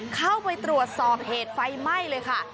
เข้าไปตรวจสอบเหตุไฟไหม้เลยค่ะ